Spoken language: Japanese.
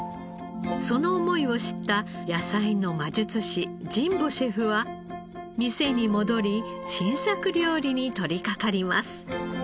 その思いを知った野菜の魔術師神保シェフは店に戻り新作料理に取り掛かります。